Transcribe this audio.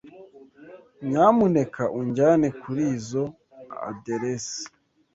Nyamuneka unjyane kurizoi aderesi.